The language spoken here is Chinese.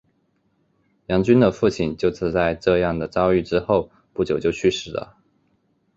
杨君的父亲就是在这样的遭遇之后不久就去世的。